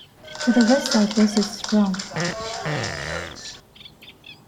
To the west-southwest is Bronk.